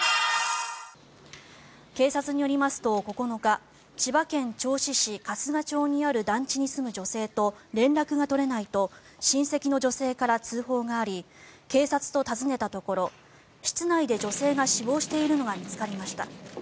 警察によりますと９日千葉県銚子市春日町にある団地に住む女性と連絡が取れないと親戚の女性から通報があり警察と尋ねたところ室内で女性が死亡しているのが見つかりました。